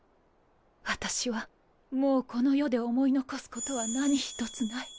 私はもうこの世で思い残すことは何一つない。